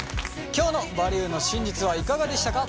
今日の「バリューの真実」はいかがでしたか？